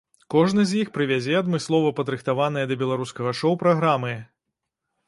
Кожны з іх прывязе адмыслова падрыхтаваныя да беларускага шоў праграмы.